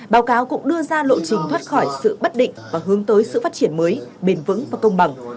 báo cáo cũng đưa ra lộ trình thoát khỏi sự bất định và hướng tới sự phát triển mới bền vững và công bằng